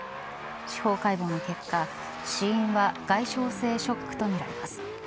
司法解剖の結果、死因は外傷性ショックとみられています。